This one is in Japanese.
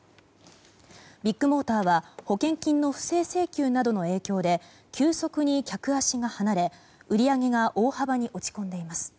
ビッグモーターは保険金の不正請求などの影響で急速に客足が離れ、売り上げが大幅に落ち込んでいます。